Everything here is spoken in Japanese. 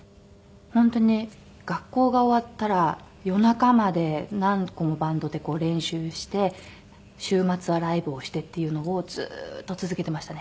本当に学校が終わったら夜中まで何個もバンドで練習して週末はライブをしてっていうのをずーっと続けてましたね。